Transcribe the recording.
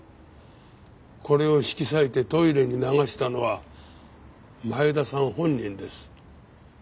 これを引き裂いてトイレに流したのは前田さん本人です。